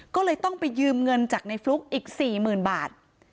ก็เลยต้องไปยืมเงินจากในฟลุ๊กอีก๔๐๐๐บาท